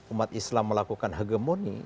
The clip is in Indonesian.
umat islam melakukan hegemoni